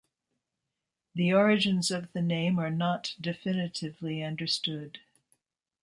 The origins of the name are not definitively understood.